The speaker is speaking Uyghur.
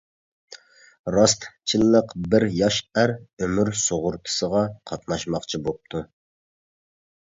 راستچىللىق بىر ياش ئەر ئۆمۈر سۇغۇرتىسىغا قاتناشماقچى بوپتۇ.